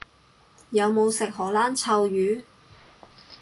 有冇食荷蘭臭魚？